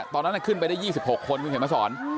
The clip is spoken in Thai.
ตอนนั้นขึ้นไปได้๒๖คนเพิ่งเห็นไหมสอน